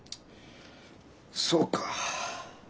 そうか。